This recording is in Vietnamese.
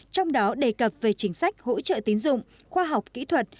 trong đó đề cập về chính sách hỗ trợ tín dụng khoa học kỹ thuật